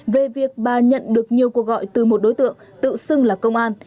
về việc bà nhận được nhiều cuộc gọi từ một đối tượng tự xưng là công an